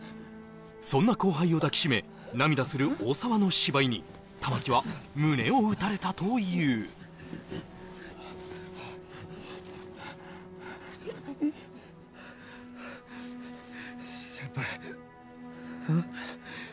そんな後輩を抱きしめ涙する大沢の芝居に玉木は胸を打たれたというハアハア先輩うん？